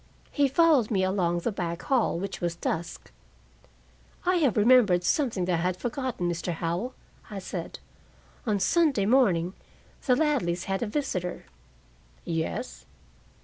He followed me along the back hall, which was dusk. "I have remembered something that I had forgotten, Mr. Howell," I said. "On Sunday morning, the Ladleys had a visitor." "Yes?"